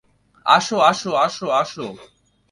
আসো, আসো, আসো, আসো!